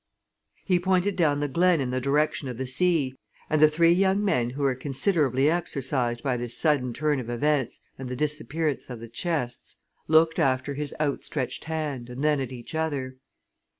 He pointed down the glen in the direction of the sea, and the three young men who were considerably exercised by this sudden turn of events and the disappearance of the chests, looked after his out stretched hand and then at each other.